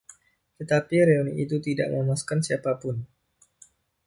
Tetapi reuni itu tidak memuaskan siapa pun.